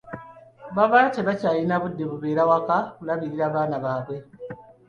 Baba tebakyalina budde bubeera waka kulabirira baana baabwe.